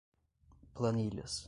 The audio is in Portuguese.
planilhas